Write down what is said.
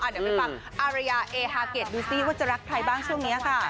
เดี๋ยวไปฟังอารยาเอฮาเกดดูซิว่าจะรักใครบ้างช่วงนี้ค่ะ